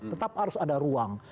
tetap harus ada ruang